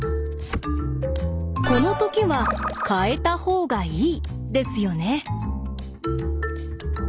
このときは変えた方がいいですよね？